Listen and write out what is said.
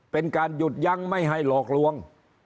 เป็นการหยุดยั้งไม่ให้หลอกลวง